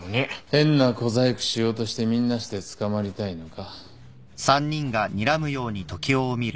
変な小細工しようとしてみんなして捕まりたいのか。